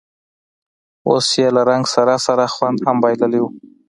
اوس یې له رنګ سره سره خوند هم بایللی و.